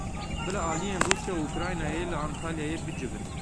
Bila aliyên Rûsya û Ukraynayê li Antalyayê bicivin.